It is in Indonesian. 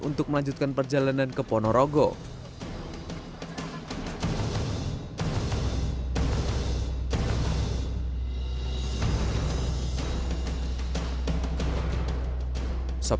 untuk melanjutkan perjalanan ke ponorogo